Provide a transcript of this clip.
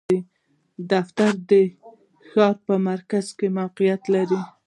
دفتر د ښار په مرکز کې موقعیت لری